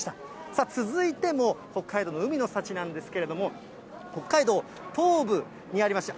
さあ、続いても北海道の海の幸なんですけれども、北海道東部にあります